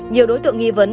nhiều đối tượng nghi vấn